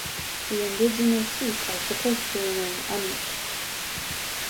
The indigenous sheep are supposed to remain unmixed.